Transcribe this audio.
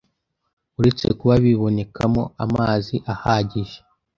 Uretse kuba bibonekamo amazi ahagije,